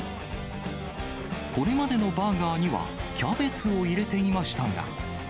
これまでのバーガーには、キャベツを入れていましたが。